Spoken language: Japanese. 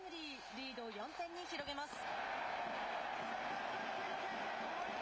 リードを４点に広げます。